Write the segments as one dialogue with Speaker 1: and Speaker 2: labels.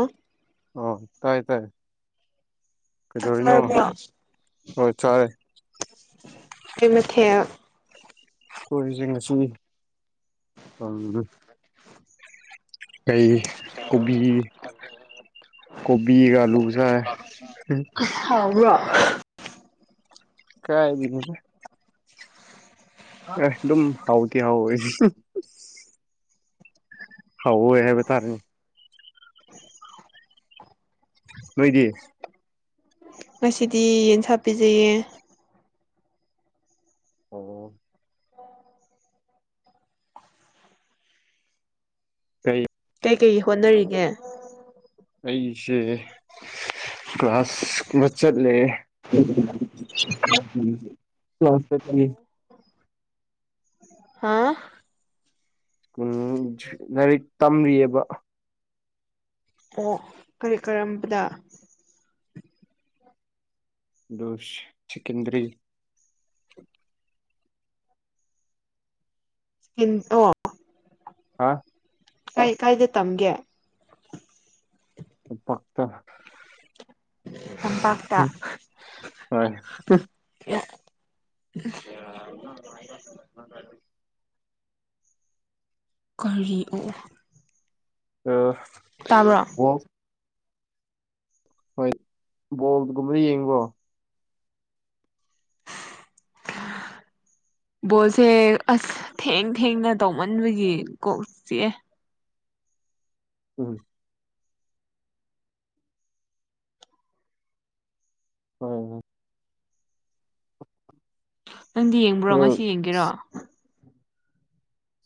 Speaker 1: ꯑ
Speaker 2: ꯑꯣ ꯇꯥꯏ ꯇꯥꯏ
Speaker 1: ꯆꯥꯛ
Speaker 2: ꯀꯩꯗꯧꯔꯤꯅꯣ
Speaker 1: ꯆꯥꯔꯕ꯭ꯔꯣ
Speaker 2: ꯍꯣꯏ ꯆꯔꯦ꯫
Speaker 1: ꯀꯩ ꯃꯊꯦꯜ
Speaker 2: ꯈꯣꯏꯁꯦ ꯉꯁꯤ ꯑ ꯀꯩ ꯀꯣꯕꯤ ꯀꯣꯕꯤꯒ ꯑꯂꯨꯒꯥ ꯆꯥꯏ
Speaker 1: ꯑꯁ ꯍꯥꯎꯕ꯭ꯔꯣ
Speaker 2: [unintelligible] ꯑꯦ ꯑꯗꯨꯝ ꯍꯥꯎꯇꯤ ꯍꯥꯎꯋꯦ ꯍꯥꯎꯋꯦ ꯍꯥꯏꯕ ꯇꯔꯦꯅꯤ ꯅꯣꯏꯗꯤ
Speaker 1: ꯉꯁꯤꯗꯤ ꯌꯦꯟꯁꯥ ꯄꯤꯖꯩꯌꯦ
Speaker 2: ꯑꯣ- ꯀꯔꯤ
Speaker 1: ꯀꯩ ꯀꯩ ꯍꯣꯠꯅꯔꯤꯒꯦ
Speaker 2: ꯑꯩꯁꯦ ꯀ꯭ꯂꯥꯁ ꯑꯃ ꯆꯠꯂꯦ [unintelligible] [unintelligible]
Speaker 1: ꯍꯥ
Speaker 2: ꯎ ꯂꯥꯏꯔꯤꯛ ꯇꯝꯔꯤꯑꯦꯕ
Speaker 1: ꯑꯣ ꯀꯔꯤ ꯀꯔꯝꯕꯗ
Speaker 2: ꯗꯣꯁ ꯁꯦꯀꯦꯟꯗ꯭ꯔꯤ
Speaker 1: [unintelligible] ꯑꯣ
Speaker 2: ꯍꯥ
Speaker 1: ꯀꯩ ꯀꯥꯏꯗ ꯇꯝꯒꯦ
Speaker 2: ꯂꯝꯄꯥꯛꯇ
Speaker 1: ꯇꯝꯄꯥꯛꯇ [unintelligible]
Speaker 2: ꯍꯣꯏ
Speaker 1: [unintelligible] [unintelligible] ꯀꯔꯤ ꯑꯣ
Speaker 2: ꯎ
Speaker 1: ꯇꯥꯕ꯭ꯔꯣ
Speaker 2: ꯍꯣꯏ ꯕꯣꯜꯒꯨꯝꯕꯗꯤ ꯌꯦꯡꯕ꯭ꯔꯣ
Speaker 1: [unintelligible] ꯕꯣꯠꯁꯦ ꯑꯁ ꯊꯦꯡ ꯊꯦꯡꯅ ꯇꯧꯃꯟꯕꯒꯤ ꯀꯣꯛ ꯆꯤꯛꯑꯦ
Speaker 2: ꯎꯝ ꯍꯣꯏꯅꯦ
Speaker 1: ꯅꯪꯗꯤ ꯌꯦꯡꯕ꯭ꯔꯣ
Speaker 2: ꯑꯗꯨ
Speaker 1: ꯉꯁꯤ ꯌꯦꯡꯒꯦꯔꯣ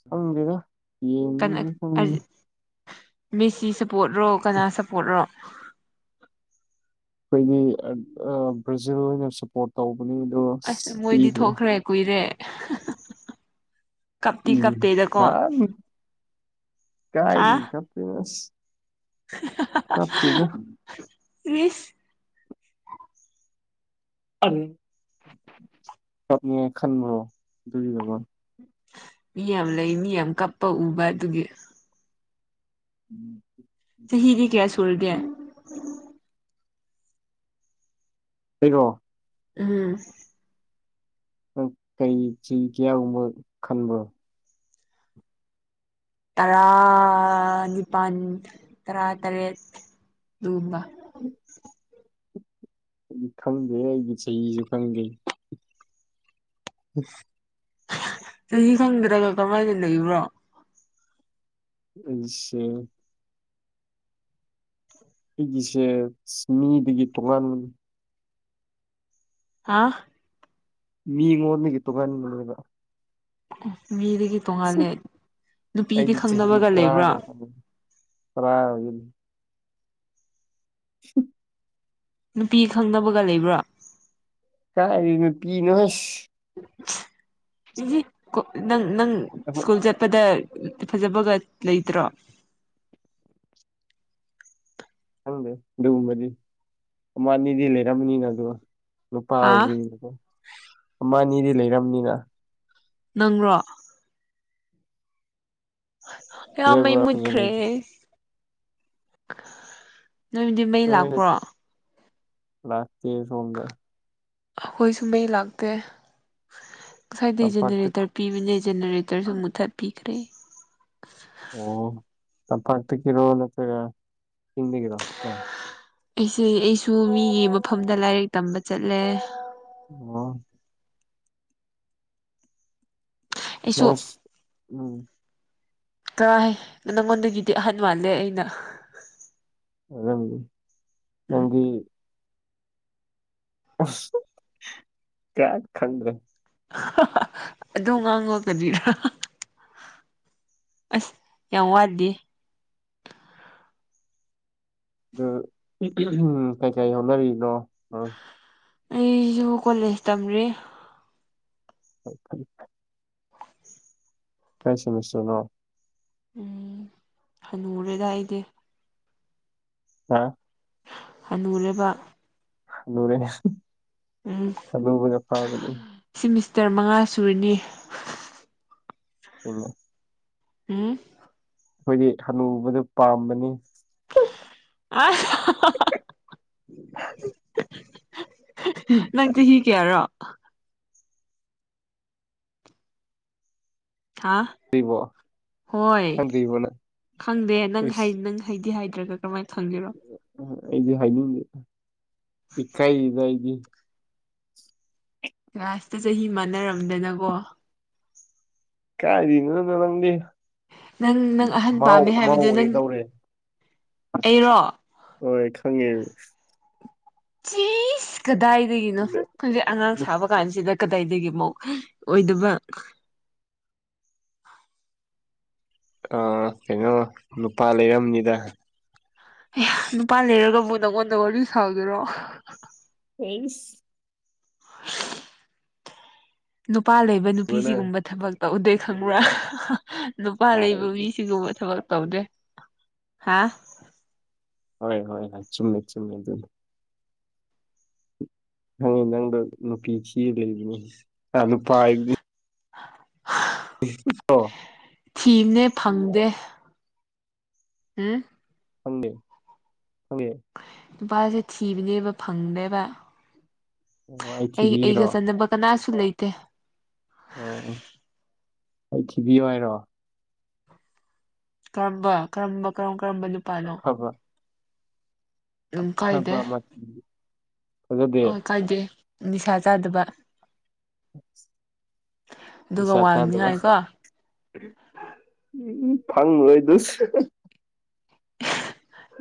Speaker 2: ꯈꯪꯗꯦꯗ
Speaker 1: ꯀꯅꯥ
Speaker 2: ꯌꯦꯡꯉꯤꯅ ꯈꯪꯉꯤ
Speaker 1: [unintelligible] ꯃꯤꯁꯤ ꯁꯄꯣꯔꯠꯔꯣ ꯀꯅꯥ ꯁꯄꯣꯔꯠꯔꯣ
Speaker 2: ꯑꯩꯈꯣꯏꯒꯤ ꯕ꯭ꯔꯥꯖꯤꯜ ꯑꯣꯏꯅ ꯁꯄꯣꯔꯠ ꯇꯧꯕꯅꯤ ꯑꯗꯨꯒ
Speaker 1: ꯑꯁ ꯃꯣꯏꯗꯤ
Speaker 2: ꯄꯤꯈ꯭ꯔꯦ
Speaker 1: ꯊꯣꯛꯈ꯭ꯔꯦ ꯀꯨꯏꯔꯦ ꯀꯞꯇꯤ
Speaker 2: ꯎꯝ
Speaker 1: ꯀꯞꯇꯦꯗꯀꯣ
Speaker 2: [unintelligible] ꯀꯞꯇꯦꯗ
Speaker 1: ꯇ꯭ꯔꯤꯁ
Speaker 2: [unintelligible] ꯆꯛꯅꯦ ꯈꯟꯕ꯭ꯔꯣ ꯑꯗꯨꯒꯤꯅꯃ
Speaker 1: ꯃꯤ ꯌꯥꯝ ꯂꯩ ꯃꯤ ꯌꯥꯝ ꯀꯞꯄ ꯎꯕ ꯑꯗꯨꯒꯤ
Speaker 2: [inaudible]
Speaker 1: ꯆꯍꯤꯗꯤ ꯀꯌꯥ ꯁꯨꯔꯒꯦ
Speaker 2: ꯑꯩꯔꯣ
Speaker 1: ꯎꯝ
Speaker 2: ꯀꯩꯁꯤ ꯀꯌꯥꯒꯨꯝꯕ ꯈꯟꯕ꯭ꯔꯣ
Speaker 1: ꯇꯔꯥ ꯅꯤꯄꯟ ꯇꯔꯥ ꯇꯔꯦꯠ ꯑꯗꯨꯒꯨꯝꯕ
Speaker 2: [inaudible] ꯑꯩꯗꯤ ꯈꯪꯗꯦ ꯑꯩꯒꯤ ꯆꯍꯤꯁꯨ ꯈꯪꯗꯦ
Speaker 1: ꯆꯍꯤ ꯈꯪꯗ꯭ꯔꯒ ꯀꯃꯥꯏꯅ ꯂꯩꯕ꯭ꯔꯣ
Speaker 2: ꯑꯩꯁꯦ ꯑꯩꯒꯤꯁꯦ ꯃꯤꯗꯒꯤ ꯇꯣꯉꯥꯟꯕꯅꯤ
Speaker 1: ꯍꯥ
Speaker 2: ꯃꯤꯉꯣꯗꯒꯤ ꯇꯣꯉꯥꯟꯕꯅꯦꯕ
Speaker 1: ꯃꯤꯗꯒꯤ ꯇꯣꯡꯉꯥꯜꯂꯦ
Speaker 2: ꯑꯩꯗꯤ
Speaker 1: ꯅꯨꯄꯤꯗꯤ ꯈꯪꯅꯕꯒ ꯂꯩꯕ꯭ꯔꯥ
Speaker 2: ꯐ꯭ꯔꯥ ꯑꯣꯏꯒ ꯁ
Speaker 1: ꯅꯨꯄꯤ ꯈꯪꯅꯕꯒ ꯂꯩꯕ꯭ꯔꯥ
Speaker 2: ꯀꯥꯏꯔꯤꯅ ꯄꯤꯅꯣꯍꯁ
Speaker 1: ꯅꯪ ꯅꯪ
Speaker 2: ꯑꯩꯈꯣꯏ
Speaker 1: ꯁ꯭ꯀꯨꯜ ꯆꯠꯄꯗ ꯐꯖꯕꯒ ꯂꯩꯇ꯭ꯔꯣ
Speaker 2: ꯈꯪꯗꯦ ꯑꯗꯨꯒꯨꯝꯕꯗꯤ ꯑꯅꯤꯗꯤ ꯂꯩꯔꯝꯃꯅꯤꯅ ꯑꯗꯨꯒ ꯅꯨꯄꯥ
Speaker 1: ꯍꯥ
Speaker 2: ꯑꯣꯏꯕꯤꯅꯤ ꯑꯃꯅꯤ ꯑꯅꯤꯗꯤ ꯂꯩꯔꯕꯝꯅꯤꯅ
Speaker 1: ꯅꯪꯔꯣ ꯑꯩꯌꯥ ꯃꯩ
Speaker 2: ꯐꯖꯕ
Speaker 1: ꯃꯨꯠꯈ꯭ꯔꯦ
Speaker 2: ꯐꯖꯕꯩꯗꯤ
Speaker 1: ꯅꯣꯏꯕꯨꯗꯤ ꯃꯩ ꯂꯥꯛꯄ꯭ꯔꯣ
Speaker 2: ꯂꯥꯛꯥꯑꯦ ꯁꯣꯝꯗ
Speaker 1: ꯑꯩꯈꯣꯏꯁꯨ ꯃꯩ ꯂꯥꯛꯇꯦ ꯉꯁꯥꯏꯗꯤ
Speaker 2: ꯇꯝꯄꯥꯛꯇ
Speaker 1: ꯖꯦꯅꯦꯔꯦꯇꯔ ꯄꯤꯕꯅꯦ ꯖꯦꯅꯔꯦꯇꯔꯁꯨ ꯃꯨꯊꯠꯄꯤꯈ꯭ꯔꯦ
Speaker 2: ꯑꯣ ꯇꯝꯄꯥꯛꯇ ꯒꯤꯔꯣ ꯅꯠꯇ꯭ꯔꯒ ꯆꯤꯡꯗꯒꯤꯔꯣ
Speaker 1: ꯑꯩꯁꯦ ꯑꯩꯁꯨ ꯃꯤꯒꯤ ꯃꯐꯝꯗ ꯂꯥꯏꯔꯤꯛ ꯇꯝꯕ ꯆꯠꯂꯦ
Speaker 2: ꯑꯣ
Speaker 1: ꯑꯩꯁꯨ
Speaker 2: [unintelligible] ꯎꯝ
Speaker 1: ꯀꯔꯥꯏ ꯍꯥꯏ ꯅꯪꯉꯣꯟꯗꯒꯤꯗꯤ ꯑꯍꯟ ꯃꯥꯜꯂꯦ ꯑꯩꯅ
Speaker 2: ꯑꯗꯨꯝ
Speaker 1: ꯎꯝ
Speaker 2: ꯅꯪꯒꯤ ꯀꯌꯥ ꯈꯟꯗ꯭ꯔ
Speaker 1: ꯑꯣ ꯉꯥꯡꯉꯒꯅꯤꯔꯥ ꯑꯁ ꯌꯥꯝ ꯋꯥꯗꯦ
Speaker 2: ꯑꯗꯨ ꯎꯝ ꯀꯩ ꯀꯩ ꯍꯣꯠꯅꯔꯤꯅꯣ ꯎꯝ
Speaker 1: ꯑꯩꯁꯨ ꯀꯣꯂꯦꯖ ꯇꯝ꯭ꯔꯤ
Speaker 2: ꯍ ꯐ ꯍꯥꯏ ꯅꯤꯡ
Speaker 1: ꯎꯝ ꯍꯅꯨꯔꯦꯗ ꯑꯩꯗꯤ
Speaker 2: ꯍꯥ
Speaker 1: ꯍꯅꯨꯔꯕ
Speaker 2: ꯑꯂꯨꯔꯦ
Speaker 1: ꯎꯝ
Speaker 2: ꯑꯂꯨꯕꯅ ꯐꯕꯅꯤ
Speaker 1: ꯁꯤꯃꯤꯁꯇꯔ ꯃꯉꯥ ꯁꯨꯔꯤꯅꯤ
Speaker 2: ꯏ
Speaker 1: ꯎꯝ
Speaker 2: ꯑꯩꯈꯣꯏꯗꯤ ꯍꯅꯨꯕꯗꯨ ꯄꯥꯝꯕꯅꯤ
Speaker 1: ꯑ ꯅꯪ ꯇꯤꯤ ꯀꯌꯥꯔꯣ ꯍꯥ
Speaker 2: ꯈꯪꯗ꯭ꯔꯤꯕꯣ
Speaker 1: ꯍꯣꯏ
Speaker 2: ꯈꯪꯗ꯭ꯔꯤꯕꯣ ꯅꯪ
Speaker 1: ꯈꯪꯗꯦ ꯅꯪ
Speaker 2: ꯏꯁ
Speaker 1: ꯅ ꯍꯩꯗꯤ ꯍꯥꯏꯗ꯭ꯔꯒ ꯀꯃꯝꯥꯏꯅ ꯊꯝꯕꯤꯔ
Speaker 2: ꯑꯩꯗꯤ ꯍꯥꯏꯅꯤꯡꯗꯦ ꯏꯀꯥꯏꯗ ꯑꯩꯗꯤ
Speaker 1: ꯀꯁꯤꯗ ꯆꯍꯤ ꯃꯥꯟꯅꯔꯝꯗꯅꯀꯣ
Speaker 2: ꯀꯔꯤꯅꯔꯪꯗꯤ
Speaker 1: ꯅꯪ ꯅꯪ ꯑꯍꯟ
Speaker 2: ꯃꯥ
Speaker 1: ꯄꯥꯝꯃꯦ
Speaker 2: ꯃꯥꯎ
Speaker 1: ꯍꯥꯏꯕꯗꯨ ꯅꯪ
Speaker 2: ꯑꯣꯏꯗꯧꯔꯦ
Speaker 1: ꯑꯩꯔꯣ
Speaker 2: ꯍꯣꯏ ꯈꯪꯉꯦ
Speaker 1: ꯆꯁꯀꯗꯥꯏꯗꯅꯣꯁ ꯍꯧꯖꯤꯛ ꯑꯉꯥꯡ ꯁꯥꯕ ꯀꯥꯟꯁꯤꯗ ꯀꯗꯥꯏꯗꯒꯤ ꯃꯨꯛ ꯑꯣꯏꯗꯕ
Speaker 2: ꯑ ꯀꯩꯅꯣ ꯅꯨꯄꯥ ꯂꯩꯔꯝꯅꯤꯗ
Speaker 1: ꯑꯦ ꯅꯨꯄꯥ ꯂꯩꯔꯒꯕꯨ ꯅꯪꯉꯣꯟꯗ ꯋꯥꯔꯤ ꯁꯥꯒꯦꯔꯣ
Speaker 2: ꯇꯩꯁ
Speaker 1: ꯅꯨꯄꯥ ꯂꯩꯕ ꯅꯨꯄꯤ ꯁꯤꯒꯨꯝꯕ ꯊꯕꯛꯇ ꯎꯗꯩ ꯈꯪꯕ꯭ꯔꯥ ꯅꯨꯄꯥ ꯂꯩꯕ ꯃꯤꯁꯤꯡꯒꯨꯝꯕ ꯊꯕꯛ ꯇꯧꯗꯦ ꯍꯥ
Speaker 2: ꯍꯣꯏ ꯍꯣꯏ ꯍꯣꯏ ꯆꯨꯝꯃꯦ ꯆꯨꯝꯃꯦ ꯑꯗꯨ ꯈꯪꯉꯤ ꯅꯪꯗ ꯅꯨꯄꯤ ꯀꯤ ꯂꯩꯕꯅꯤ ꯅꯨꯄꯥ ꯍꯥꯏꯕ
Speaker 1: [unintelligible]
Speaker 2: ꯍ
Speaker 1: ꯊꯤꯕꯅꯦ ꯐꯪꯗꯦ ꯎꯝ
Speaker 2: ꯐꯪꯅꯤ ꯐꯪꯉꯦ
Speaker 1: ꯅꯨꯄꯥꯁꯦ ꯊꯤꯕꯅꯦꯕ ꯐꯪꯗꯦꯕ
Speaker 2: ꯑꯣ
Speaker 1: ꯑꯩ
Speaker 2: ꯊꯤꯕꯤꯒꯦꯔꯣ
Speaker 1: ꯑꯩꯒ ꯆꯥꯟꯅꯕ ꯀꯅꯥꯁꯨ ꯂꯩꯇꯦ
Speaker 2: ꯑꯣ ꯑꯣ ꯍ ꯊꯤꯕꯤꯌꯨ ꯍꯥꯏꯔꯣ
Speaker 1: ꯀꯔꯝꯕ ꯀꯔꯝꯕ ꯀꯔ ꯀꯔꯝꯕꯅꯤ
Speaker 2: ꯍꯕ
Speaker 1: ꯎ ꯀꯥꯏꯗꯦ
Speaker 2: ꯑꯃ ꯐꯖꯗꯦ
Speaker 1: ꯑ ꯀꯥꯏꯗꯦ ꯅꯤꯁꯥ ꯆꯥꯗꯕ ꯑꯗꯨꯒ
Speaker 2: ꯅꯤꯁꯥ ꯆꯥꯗꯕ
Speaker 1: ꯋꯥꯡꯅꯤꯉꯥꯏꯀꯣ
Speaker 2: ꯎꯝ ꯐꯪꯉꯣꯏ ꯑꯗꯨꯁꯨ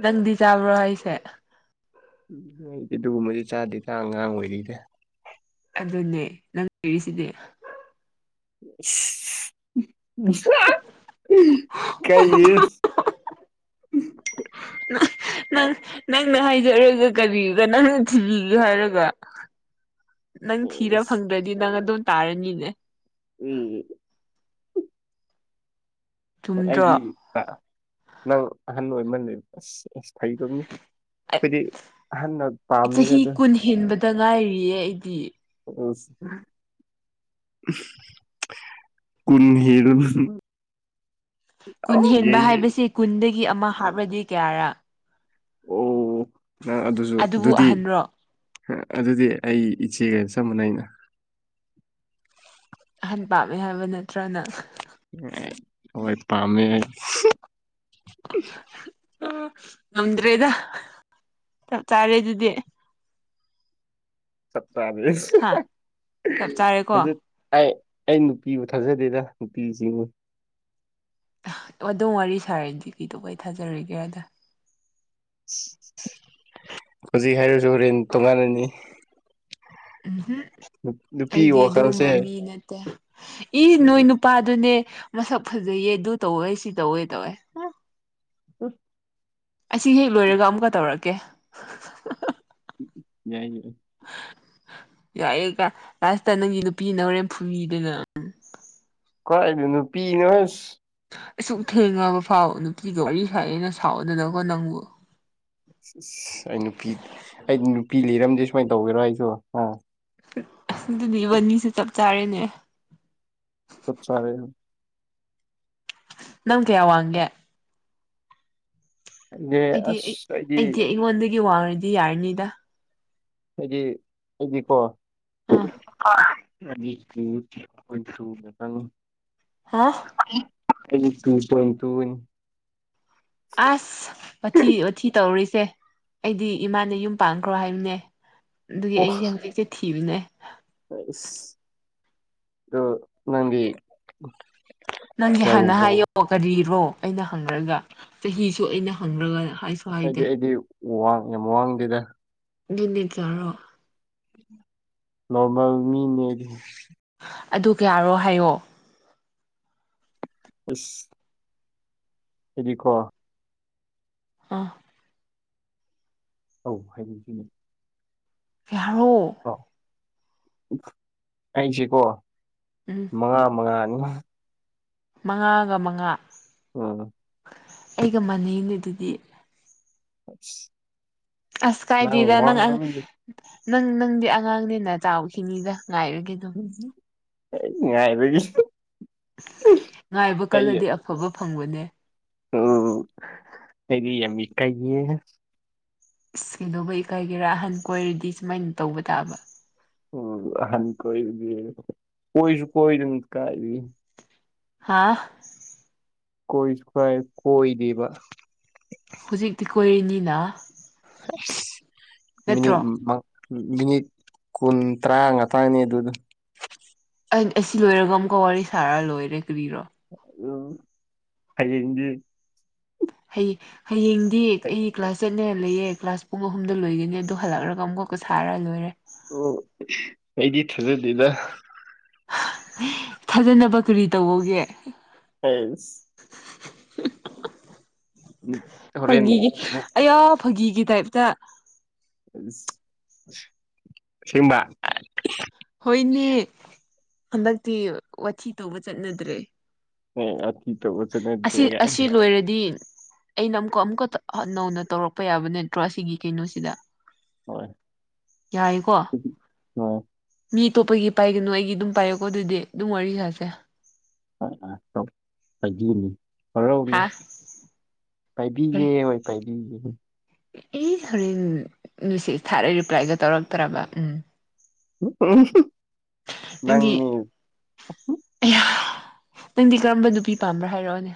Speaker 1: ꯅꯪꯗꯤ ꯆꯥꯕ꯭ꯔꯣ ꯑꯩꯁꯦ
Speaker 2: ꯑꯗꯨꯒꯨꯝꯕꯗꯤ ꯆꯥꯗꯦ ꯆ ꯑꯉꯥꯡ ꯑꯣꯏꯔꯤꯗ
Speaker 1: ꯑꯗꯨꯅꯦ ꯅꯪ ꯂꯩꯔꯤꯁꯤꯗꯤ
Speaker 2: [unintelligible] ꯀꯩ
Speaker 1: [unintelligible] ꯅꯪꯅ ꯍꯥꯏꯖꯔꯒ ꯀꯕꯤꯒ ꯅꯪꯅ ꯊꯤꯕꯤꯌꯨ ꯍꯥꯏꯔꯒ ꯅꯪ
Speaker 2: ꯎꯝ
Speaker 1: ꯊꯤꯔ ꯐꯪꯗ꯭ꯔꯗꯤ ꯅꯪ ꯑꯗꯨꯝ ꯇꯥꯔꯅꯤꯅꯦ
Speaker 2: ꯎꯝ ꯑꯩꯗꯤ
Speaker 1: ꯆꯨꯝꯗ꯭ꯔꯣ
Speaker 2: ꯅꯪ ꯑꯍꯟ ꯑꯣꯏꯃꯅꯦꯕ ꯑꯁ ꯑꯁ ꯊꯩꯗꯣꯝꯅꯤ ꯑꯩꯈꯣꯏꯗꯤ ꯑꯍꯟꯅ ꯄꯥꯝꯅꯤꯔꯗ
Speaker 1: ꯍꯤꯟꯕꯗ ꯉꯥꯏꯔꯤꯌꯦ ꯑꯩꯗꯤ
Speaker 2: [unintelligible]
Speaker 1: ꯀꯨꯟ ꯍꯦꯟꯕ
Speaker 2: ꯌꯩꯌꯦ
Speaker 1: ꯍꯥꯏꯕꯁꯤ ꯀꯨꯟꯗꯒꯤ ꯑꯃ ꯍꯥꯞꯂꯗꯤ ꯀꯌꯥꯔꯥ
Speaker 2: ꯑꯣ ꯅꯪ ꯑꯗꯨꯁꯨ
Speaker 1: ꯑꯗꯨꯕꯨ
Speaker 2: ꯑꯗꯨꯗꯤ
Speaker 1: ꯑꯍꯟꯔꯣ
Speaker 2: ꯑꯗꯨꯗꯤ ꯑꯩ ꯏꯆꯦꯒ ꯆꯞ ꯃꯅꯩ ꯑꯩꯅ
Speaker 1: ꯑꯍꯟ ꯄꯥꯝꯃꯦ ꯍꯥꯏꯕ ꯅꯠꯇ꯭ꯔꯅ
Speaker 2: ꯍꯣꯏ ꯄꯥꯝꯃꯦ
Speaker 1: ꯅꯗ꯭ꯔꯦꯗ ꯆꯥꯔꯦ ꯑꯗꯨꯗꯤ ꯍꯥ ꯆꯞ ꯆꯥꯔꯦꯀꯣ
Speaker 2: [unintelligible] ꯑꯩ ꯅꯨꯄꯤꯕꯨ ꯊꯥꯖꯗꯦꯗ ꯅꯨꯄꯤꯁꯤꯡꯉ
Speaker 1: ꯑꯗꯨꯝ ꯋꯥꯔꯤ ꯁꯥꯔꯦꯗꯤ ꯀꯩꯗꯧꯕ ꯑꯩ ꯊꯥꯖꯔꯤꯒꯦ ꯑꯗ
Speaker 2: ꯍꯧꯖꯤꯛ ꯍꯥꯏꯔꯁꯨ ꯍꯣꯔꯦꯟ ꯇꯣꯉꯥꯟꯅꯅꯤ
Speaker 1: ꯎꯝꯍꯝ
Speaker 2: ꯅꯨꯄꯤꯒꯤ ꯋꯥꯈꯜꯁꯦ
Speaker 1: ꯏꯅꯠꯇꯦ ꯏ ꯅꯣꯏ ꯅꯨꯄꯥꯗꯨꯅꯦ ꯃꯁꯛ ꯐꯖꯩꯌꯦ ꯑꯗꯨ ꯇꯧꯋꯦ ꯁꯤ ꯇꯧꯋꯦ ꯇꯧꯋꯦ
Speaker 2: ꯎ
Speaker 1: ꯑꯁꯤ ꯍꯦꯛ ꯂꯣꯏꯔꯒ ꯑꯃꯨꯛꯀ ꯇꯧꯔꯛꯀꯦ
Speaker 2: ꯌꯥꯢꯌꯦ
Speaker 1: ꯌꯥꯏꯑꯦ ꯀ ꯂꯥꯁꯇ ꯅꯪꯒꯤ ꯅꯨꯄꯤꯁꯤꯅ ꯍꯣꯔꯦꯟ ꯐꯨꯕꯤꯗꯅ ꯎꯝ
Speaker 2: ꯀꯥꯏꯗ ꯅꯨꯄꯤꯅꯣ ꯑꯁ
Speaker 1: ꯑꯁꯨꯛ ꯊꯦꯡꯉꯕ ꯐꯥꯎ ꯅꯨꯄꯤꯒ ꯋꯥꯔꯤ ꯁꯥꯏꯅ ꯁꯥꯎꯗꯅꯀꯣ ꯅꯪꯕꯨ
Speaker 2: ꯑꯁ ꯑꯩ ꯅꯨꯄꯤ ꯑꯩ ꯅꯨꯄꯤ ꯂꯤꯔꯝꯗꯦ ꯁꯨꯃꯥꯏꯅ ꯇꯧꯒꯦꯔꯣ ꯑꯩꯁꯨ ꯑꯥ
Speaker 1: ꯑꯗꯨꯗꯤ ꯏꯕꯥꯅꯤꯁꯨ ꯆꯞ ꯆꯥꯔꯦꯅꯦ
Speaker 2: ꯆꯞ ꯆꯥꯔꯦ
Speaker 1: ꯅꯪ ꯀꯌꯥ ꯋꯥꯡꯒꯦ ꯑꯩꯗꯤ ꯑꯩ ꯑꯩꯗꯤ ꯑꯩꯉꯣꯟꯗꯒꯤ ꯋꯥꯡꯉꯗꯤ ꯌꯥꯔꯅꯤꯗ
Speaker 2: ꯑꯩꯗꯤ ꯑꯩꯗꯤꯀꯣ
Speaker 1: ꯑꯥ
Speaker 2: ꯑꯗꯤ [unintelligible]
Speaker 1: ꯍꯥꯥ
Speaker 2: ꯑꯩꯗꯤ ꯇꯨ ꯄꯣꯏꯟ ꯇꯨ ꯅꯤ
Speaker 1: ꯑꯁ ꯎꯊꯤ ꯑꯣꯊꯤ ꯇꯧꯔꯤꯁꯦ ꯑꯩꯗꯤ ꯏꯃꯥꯅ ꯌꯨꯝ ꯄꯥꯟꯈ꯭ꯔꯣ ꯍꯥꯏꯕꯅꯦ ꯑꯗꯨꯒꯤ
Speaker 2: ꯑꯣ
Speaker 1: ꯑꯩꯁꯦ ꯍꯧꯖꯤꯛꯁꯦ ꯊꯤꯕꯅꯦ
Speaker 2: ꯑꯁ ꯑꯗꯣ ꯅꯪꯗꯤ
Speaker 1: ꯅꯪꯒꯤ ꯍꯥꯟꯅ
Speaker 2: ꯀꯌꯥꯒꯨꯝꯕ
Speaker 1: ꯍꯥꯏꯌꯣ ꯀꯔꯤꯔꯣ ꯑꯩꯅ ꯍꯪꯈ꯭ꯔꯒ ꯆꯍꯤꯁꯨ ꯑꯩꯅ ꯍꯪꯈ꯭ꯔꯒ ꯍꯥꯏ
Speaker 2: ꯍꯥꯏꯗꯤ ꯑꯩꯗꯤ ꯋꯥꯡꯉꯦ ꯌꯥꯝ ꯋꯥꯡꯗꯦꯗ
Speaker 1: [unintelligible]
Speaker 2: ꯅꯣꯔꯃꯜꯃꯤꯅꯦꯒꯤ
Speaker 1: ꯑꯗꯨ ꯀꯌꯥꯔꯣ ꯍꯥꯏꯌꯣ
Speaker 2: ꯏꯁ ꯑꯩꯗꯤ ꯀꯣ
Speaker 1: ꯑ
Speaker 2: ꯑꯧ ꯍꯥꯏꯕ ꯊꯤꯡ
Speaker 1: [unintelligible]
Speaker 2: ꯑꯩꯖꯦꯀꯣ
Speaker 1: ꯎꯝ
Speaker 2: ꯃꯉꯥ ꯃꯉꯥ ꯃꯉꯥ
Speaker 1: ꯃꯉꯥꯒ ꯃꯉꯥ
Speaker 2: ꯑ
Speaker 1: ꯑꯩꯒ ꯃꯅꯩꯅꯦ ꯑꯗꯨꯗꯤ
Speaker 2: ꯏꯁ
Speaker 1: ꯑꯁ ꯀꯥꯏꯗꯦꯗ ꯅꯪ ꯅꯪ ꯅꯪꯗꯤ ꯑꯉꯥꯡꯅꯤꯅ ꯆꯥꯎꯈꯤꯅꯤꯗ ꯉꯥꯏꯔꯒꯦꯗ
Speaker 2: ꯉꯥꯏꯔꯒꯦꯗ
Speaker 1: ꯉꯥꯏꯕ ꯀꯜꯂꯗꯤ ꯑꯐꯕ ꯐꯪꯕꯅꯦ
Speaker 2: ꯎꯝ ꯑꯩꯗꯤ ꯌꯥꯝ ꯏꯀꯥꯏꯌꯦ
Speaker 1: ꯏꯁ ꯀꯩꯗꯧꯕꯩ ꯏꯀꯥꯏꯒꯦꯔꯥ ꯑꯍꯟ ꯀꯣꯏꯔꯗꯤ ꯁꯨꯃꯥꯏꯅ ꯇꯧꯕ ꯇꯥꯕ
Speaker 2: ꯑꯣ ꯑꯍꯟ ꯀꯣꯏꯕꯗꯤ ꯀꯣꯏꯁꯨ ꯀꯣꯏꯗꯅ ꯀꯥꯏꯗꯒꯤ
Speaker 1: ꯍꯥꯥ
Speaker 2: ꯀꯣꯏꯖꯨ ꯀꯥꯏ ꯀꯣꯏꯗꯦꯕ
Speaker 1: ꯍꯨꯖꯤꯛꯇꯤ ꯀꯣꯏꯔꯤꯅꯤꯅ
Speaker 2: ꯍꯁ ꯃꯤꯅꯤꯠ
Speaker 1: ꯅꯠꯇ꯭ꯔꯣ
Speaker 2: ꯃ ꯃꯤꯅꯤꯠ ꯀꯨꯟ ꯇꯔꯥ ꯉꯥꯛꯇꯪꯅꯤ ꯑꯗꯨꯗ
Speaker 1: ꯑꯁꯤ ꯂꯣꯏꯔꯒ ꯑꯃꯨꯛꯀ ꯋꯥꯔꯤ ꯁꯥꯔ ꯂꯣꯏꯔꯦ ꯀꯕꯤꯔꯣ
Speaker 2: ꯎ ꯍꯌꯦꯡꯗꯤ
Speaker 1: ꯍꯩ ꯍꯌꯦꯡꯗꯤ ꯑꯩ ꯀ꯭ꯂꯥꯁ ꯆꯠꯅꯦ ꯂꯩꯌꯦ ꯀ꯭ꯂꯥꯁ ꯄꯨꯡ ꯑꯍꯨꯝꯗ ꯂꯣꯏꯒꯅꯤ ꯑꯗꯨ ꯍꯜꯂꯛꯂꯒ ꯑꯃꯨꯛꯀ ꯁꯥꯔꯒ ꯂꯣꯏꯔꯦ
Speaker 2: ꯑꯣ ꯑꯩꯗꯤ ꯊꯥꯖꯗꯦꯗ
Speaker 1: ꯊꯥꯖꯅꯕ ꯀꯔꯤ ꯇꯧꯑꯣꯒꯦ
Speaker 2: ꯑꯩꯁ ꯍꯣꯔꯦꯟ
Speaker 1: ꯐꯥꯒꯤꯒꯤ
Speaker 2: ꯑꯃꯨꯛ
Speaker 1: ꯑꯌꯥ ꯐꯥꯒꯤꯒꯤ ꯇꯥꯏꯞꯇ
Speaker 2: ꯑꯁꯦꯡꯕ
Speaker 1: ꯍꯣꯏꯅꯦ ꯍꯟꯗꯛꯇꯤ ꯋꯥꯊꯤ ꯇꯧꯕ ꯆꯠꯅꯗ꯭ꯔꯦ
Speaker 2: [unintelligible] [unintelligible]
Speaker 1: ꯑꯁꯤ ꯑꯁꯤ
Speaker 2: ꯀꯥꯏꯅ
Speaker 1: ꯂꯣꯏꯔꯗꯤ ꯑꯩꯅ ꯑꯃꯨꯛꯀ ꯑꯃꯨꯛꯀ ꯅꯧꯅ ꯇꯧꯔꯛꯄ ꯌꯥꯕ ꯅꯠꯇ꯭ꯔꯣ ꯑꯁꯤꯒꯤ ꯀꯩꯅꯣꯁꯤꯗ
Speaker 2: ꯍꯣꯏ
Speaker 1: ꯌꯥꯏꯀꯣ
Speaker 2: ꯍꯣꯏ
Speaker 1: ꯃꯤ ꯑꯇꯣꯞꯄꯒꯤ ꯄꯥꯏꯒꯅꯨ ꯑꯩꯒꯤ ꯑꯗꯨꯝ ꯄꯥꯏꯌꯣꯀꯣ ꯑꯗꯨꯗꯤ ꯑꯗꯨꯝ ꯋꯥꯔꯤ ꯁꯥꯁꯦ
Speaker 2: [unintelligible] ꯍꯔꯥꯎꯅ
Speaker 1: ꯍꯥ ꯀꯔꯤ
Speaker 2: ꯄꯥꯏꯕꯤꯒꯦ ꯍꯣꯏ ꯄꯥꯏꯕꯤꯒꯦ
Speaker 1: ꯑꯦ ꯍꯣꯔꯦꯟ ꯃꯦꯁꯦꯖ ꯊꯥꯔ ꯔꯤꯄ꯭ꯂꯥꯏꯒ ꯇꯧꯔꯛꯇ꯭ꯔꯕ ꯎꯝ
Speaker 2: [unintelligible]
Speaker 1: ꯅꯪꯗꯤ
Speaker 2: ꯅꯪꯅꯦ
Speaker 1: ꯅꯪꯗꯤ ꯀꯔꯝꯕ ꯅꯨꯄꯤ ꯄꯥꯝꯕ꯭ꯔꯥ ꯍꯥꯏꯔꯛꯑꯣꯅꯦ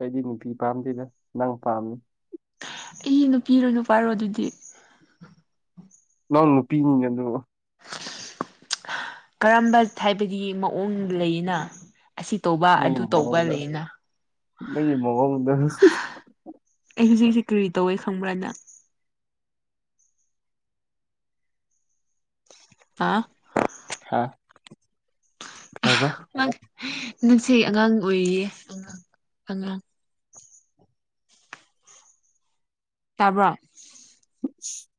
Speaker 2: ꯑꯩꯗꯤ ꯅꯨꯄꯤ ꯄꯥꯝꯗꯦꯗ ꯅꯪ ꯄꯥꯝꯃꯤ
Speaker 1: ꯑꯩ ꯅꯨꯄꯤꯔꯣ ꯅꯨꯄꯥꯔꯣ ꯑꯗꯨꯗꯤ
Speaker 2: ꯅꯪ ꯅꯨꯄꯤꯅꯤꯅꯦ ꯑꯗꯨ
Speaker 1: ꯀꯔꯝꯕ ꯍꯥꯏꯕꯗꯤ ꯃꯑꯣꯡ ꯂꯩꯅ ꯑꯁꯤ ꯇꯧꯕ
Speaker 2: ꯅꯪꯒꯤ
Speaker 1: ꯑꯗꯨ ꯇꯧꯕ
Speaker 2: ꯃꯑꯣꯡꯗ
Speaker 1: ꯂꯩꯅ
Speaker 2: ꯅꯪꯒꯤ ꯃꯑꯣꯡꯗ
Speaker 1: ꯑꯩ ꯍꯧꯖꯤꯛꯁꯤ ꯀꯔꯤ ꯇꯧꯋꯦ ꯈꯪꯕ꯭ꯔ ꯅꯪ ꯍꯥꯥ
Speaker 2: ꯍꯥ ꯀꯩꯍꯥꯏꯕ
Speaker 1: ꯅꯪꯁꯦ ꯑꯉꯥꯡ ꯑꯣꯏꯔꯤꯌꯦ ꯑꯉꯥꯡ ꯑꯉꯥꯡ ꯇꯥꯕ꯭ꯔꯣ
Speaker 2: [unintelligible]